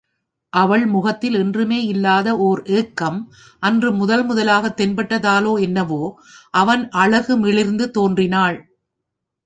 அவள் முகத்தில் என்றுமே இல்லாத ஓர் ஏக்கம் அன்று முதல்முதலாகத் தென்பட்டதாலோ என்னவோ, அவன் அழகு மிளிர்ந்து தோன்றினாள்.